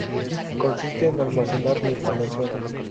Consiste en almacenar la información.